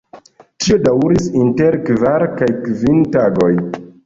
Tio daŭris inter kvar kaj kvin tagoj.